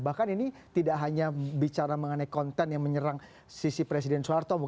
bahkan ini tidak hanya bicara mengenai konten yang menyerang sisi presiden soeharto